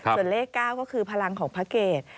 ส่วนเลข๙ก็คือพลังของพระเกต